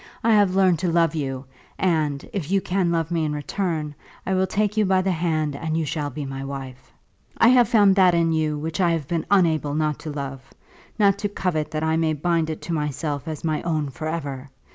I have learned to love you, and if you can love me in return, I will take you by the hand, and you shall be my wife. I have found that in you which I have been unable not to love, not to covet that I may bind it to myself as my own for ever.